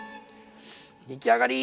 出来上がり！